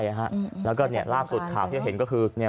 แล้วก็ล่าสุดข่าวที่เห็นก็คือ